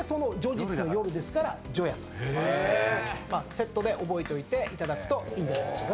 セットで覚えといていただくといいんじゃないでしょうかね。